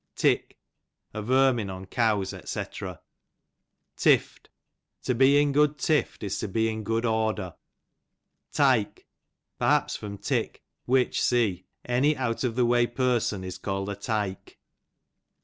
Tick, a vermin on cows, £c. Tift, to be in good tift is to be in good order. Tike, perhaps from tick, which see, any out of the ivay person is called a tike.